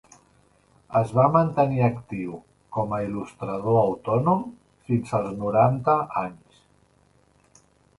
Es va mantenir actiu com a il·lustrador autònom fins als noranta anys.